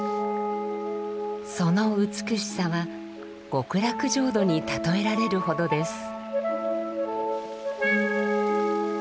その美しさは極楽浄土に例えられるほどです。